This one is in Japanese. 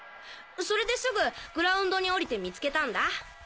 それですぐグラウンドに降りて見つけたんだ。